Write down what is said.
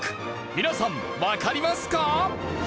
皆さんわかりますか？